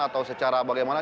atau secara bagaimana